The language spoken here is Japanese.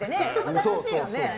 楽しいよね。